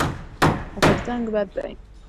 غورځنګ بد دی.